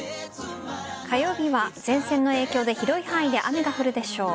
火曜日は前線の影響で広い範囲で雨が降るでしょう。